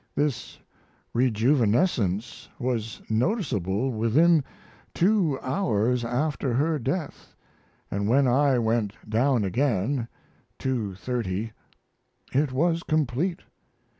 This rejuvenescence was noticeable within two hours after her death; & when I went down again (2.30) it was complete.